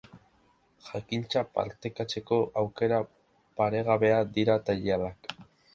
Jakintza partekatzeko aukera paregabea dira tailerrak.